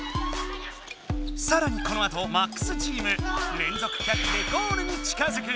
さらにこのあとＭＡＸチーム連続キャッチでゴールに近づく。